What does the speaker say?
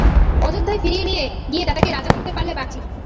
অযোধ্যায় ফিরিয়ে নিয়ে গিয়ে দাদাকে রাজা করতে পারলে বাঁচি।